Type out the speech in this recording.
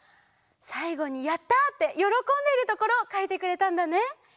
さいごに「やった」ってよろこんでるところをかいてくれたんだね。